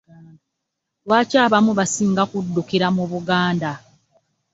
Lwaki abantu basinga kuddukira mu Buganda?